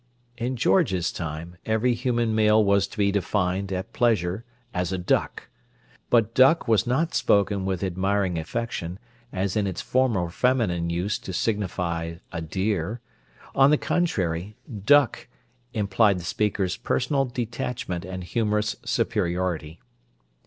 In George's time, every human male was to be defined, at pleasure, as a "duck"; but "duck" was not spoken with admiring affection, as in its former feminine use to signify a "dear"—on the contrary, "duck" implied the speaker's personal detachment and humorous superiority.